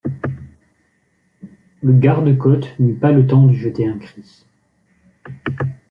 Le garde-côte n’eut pas le temps de jeter un cri.